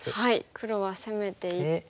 黒は攻めていって。